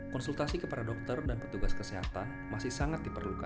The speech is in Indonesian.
konsultasi kepada dokter dan petugas kesehatan masih sangat diperlukan